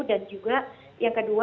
dan juga yang kedua